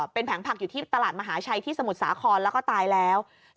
เป็นแผงผักอยู่ที่ตลาดมหาชัยที่สมุทรสาครแล้วก็ตายแล้ว